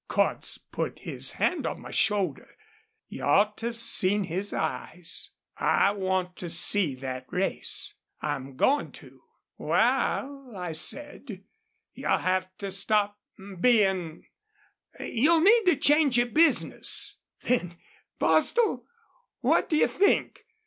Cordts put his hand on my shoulder. You ought to 've seen his eyes!...'I want to see thet race.... I'm goin' to.' 'Wal,' I said, 'you'll have to stop bein' You'll need to change your bizness.' Then, Bostil, what do you think?